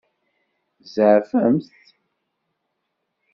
Tzeɛfemt?